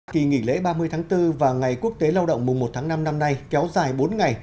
kỳ nghỉ lễ ba mươi tháng bốn và ngày quốc tế lao động mùng một tháng năm năm nay kéo dài bốn ngày